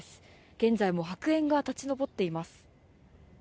現在も白煙が立ち上っています。